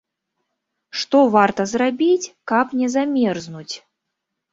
Што варта зрабіць, каб не замерзнуць.